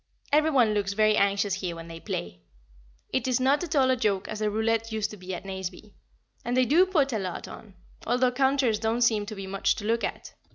Every one looks very anxious here when they play; it is not at all a joke as the roulette used to be at Nazeby; and they do put a lot on, although counters don't seem to be much to look at.